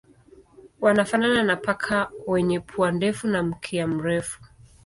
Wanafanana na paka wenye pua ndefu na mkia mrefu.